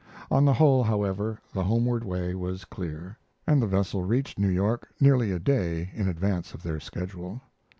On the whole, however, the homeward way was clear, and the vessel reached New York nearly a day in advance of their schedule.